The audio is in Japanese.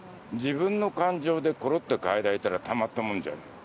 自分の感情でころっと変えられたらたまったもんじゃない。